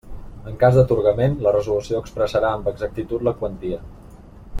En cas d'atorgament, la resolució expressarà amb exactitud la quantia.